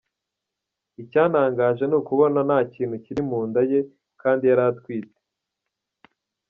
Icyantangaje ni ukubona nta kintu kiri mu nda ye kandi yari atwite.